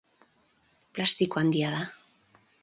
Plastiko handia da.